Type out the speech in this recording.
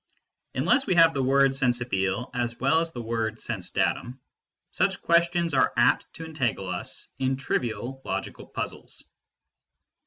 " Unless we have the word sensibile as well as the word "sense datum," such questions are apt to entangle us in trivial logical puzzles.